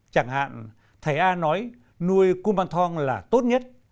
chẳng hạn thầy a nói nuôi cung bằng thong là tốt nhất